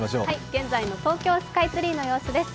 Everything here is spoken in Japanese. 現在の東京スカイツリーの様子です。